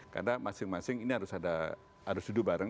karena masing masing ini harus ada harus duduk bareng